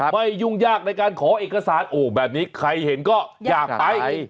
ไม่ยุ่งยากในการขอเอกสารโอ้แบบนี้ใครเห็นก็อยากไป